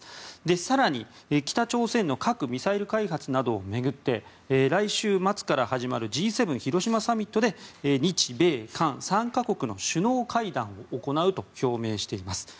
更に、北朝鮮の核・ミサイル開発などを巡って来週末から始まるＧ７広島サミットで日米韓３か国の首脳会談を行うと表明しています。